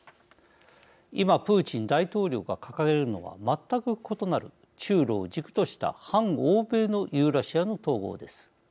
今、プーチン大統領が掲げるのは全く異なる、中ロを軸とした反欧米のユーラシアの統合です。